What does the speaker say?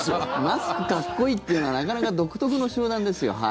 マスクかっこいいというのはなかなか独特の集団ですよ。